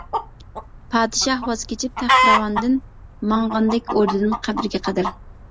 پادىشاھ ۋاز كېچىپ تەختىراۋاندىن، ماڭغاندەك ئوردىدىن قەبرىگە قەدەر.